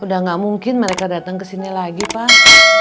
udah gak mungkin mereka datang kesini lagi pak